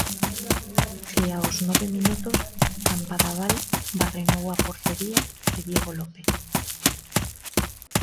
E aos nove minutos Campabadal barrenou a portería de Diego López.